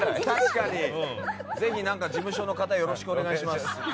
ぜひ事務所の方よろしくお願いします。